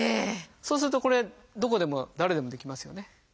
そうするとこれどこでも誰でもできますよね。